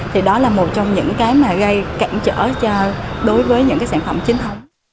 thì đó là một trong những cái mà gây cảnh trở cho đối với những cái sản phẩm chính thông